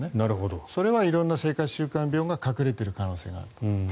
それは色んな生活習慣病が隠れている可能性がある。